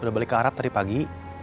udah balik ke arab tadi pagi